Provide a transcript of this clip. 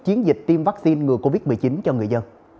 chiến dịch tiêm vaccine ngừa covid một mươi chín